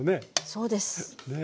そうです。